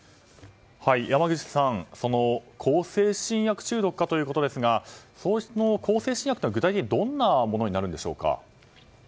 山口さん向精神薬中毒かということですがその向精神薬とは、具体的にどんなものになるんでしょうか。